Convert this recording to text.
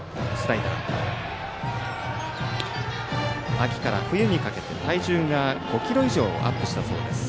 秋から冬にかけて体重が５ｋｇ以上アップしたそうです。